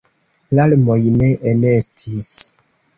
Larmoj ne enestis.